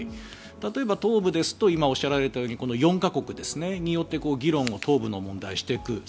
例えば、東部ですと今、おっしゃられたようにこの４か国によって議論を東部の問題、していく。